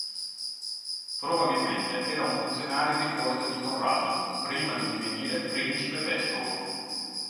Probabilmente era un funzionario di corte di Conrado prima di divenire principe-vescovo.